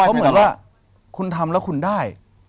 เพราะเหมือนว่าคุณทำแล้วคุณได้